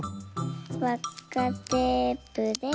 わっかテープで。